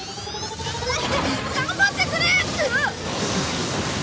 頑張ってくれ！